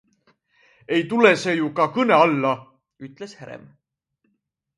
"Ei tule see ju ka kõne alla," ütles Herem.